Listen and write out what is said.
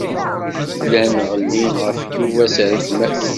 Llan ɣellin ɣef Yuba s rregmat.